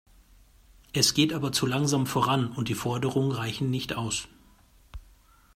Es geht aber zu langsam voran, und die Forderungen reichen nicht aus.